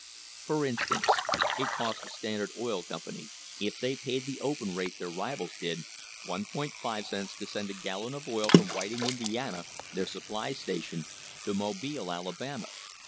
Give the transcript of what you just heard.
For instance, it cost the Standard Oil Company (if they paid the open rate their rivals did) 1.5 cents to send a gallon of oil from Whiting, Indiana, their supply station, to Mobile, Alabama.